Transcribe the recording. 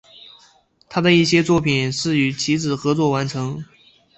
他的一些作品是与其子合作完成。